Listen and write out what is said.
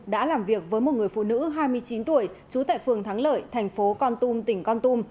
đã làm việc với một người phụ nữ hai mươi chín tuổi trú tại phường thắng lợi thành phố con tum tỉnh con tum